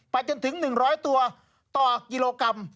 จนถึง๑๐๐ตัวต่อกิโลกรัม